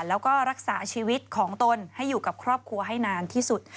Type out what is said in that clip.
แล้วก็รักษาชีวิตของตนให้อยู่กับครอบครัวให้นานที่สุด